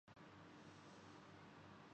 بصری معذوریوں کا شکار صارفین کی مدد